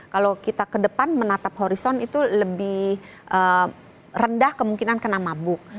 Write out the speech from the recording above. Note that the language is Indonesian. kalau kita ke depan menatap horizon itu lebih rendah kemungkinan kena mabuk